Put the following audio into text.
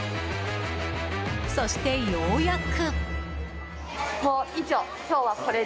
そして、ようやく。